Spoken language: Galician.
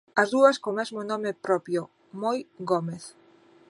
As dúas co mesmo nome propio: Moi Gómez.